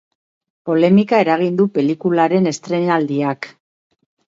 Polemika eragin du pelikularen estreinaldiak.